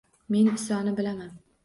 Men Isoni bilaman